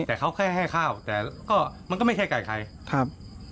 แต่เขาแค่ให้ข้าวแต่ก็มันก็ไม่ใช่ไก่ใครครับ